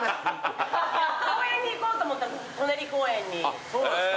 公園に行こうと思ったの舎人公園に。